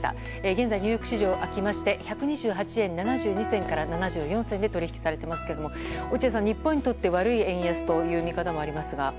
現在、ニューヨーク市場が開いて１２８円７２銭から７４銭で取引されてますが落合さん、日本にとって悪い円安という見方もありますが。